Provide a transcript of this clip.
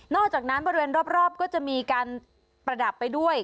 อกจากนั้นบริเวณรอบก็จะมีการประดับไปด้วย